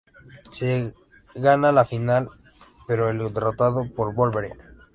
Él gana la semifinal, pero es derrotado por Wolverine.